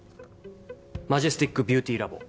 マジェスティックビューティーラボ。